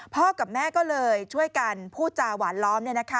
กับแม่ก็เลยช่วยกันพูดจาหวานล้อม